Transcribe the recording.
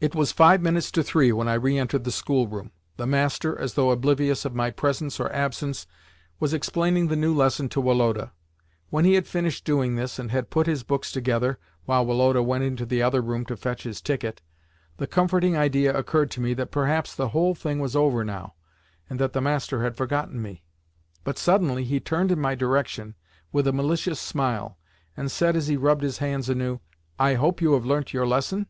It was five minutes to three when I re entered the schoolroom. The master, as though oblivious of my presence or absence, was explaining the new lesson to Woloda. When he had finished doing this, and had put his books together (while Woloda went into the other room to fetch his ticket), the comforting idea occurred to me that perhaps the whole thing was over now, and that the master had forgotten me. But suddenly he turned in my direction with a malicious smile, and said as he rubbed his hands anew, "I hope you have learnt your lesson?"